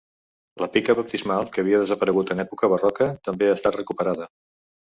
La pica baptismal, que havia desaparegut en època barroca, també ha estat recuperada.